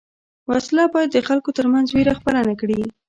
وسله باید د خلکو تر منځ وېره خپره نه کړي